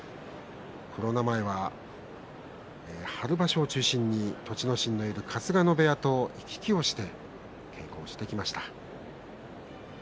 コロナ前は春場所を中心に栃ノ心のいる春日野部屋と行き来をして稽古してきました。